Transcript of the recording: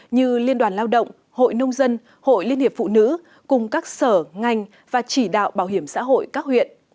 như liên đoàn lao động hội nông dân hội liên hiệp phụ nữ cùng các sở ngành và chỉ đạo bảo hiểm xã hội các huyện